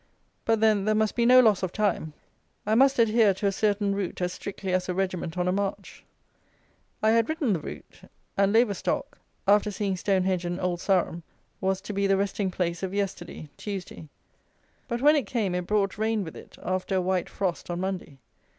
But, then, there must be no loss of time: I must adhere to a certain route as strictly as a regiment on a march. I had written the route: and Laverstock, after seeing Stonehenge and Old Sarum, was to be the resting place of yesterday (Tuesday); but when it came, it brought rain with it after a white frost on Monday.